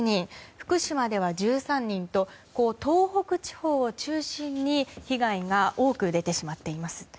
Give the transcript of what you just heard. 福島では１３人と東北地方を中心に被害が多く出てしまっています。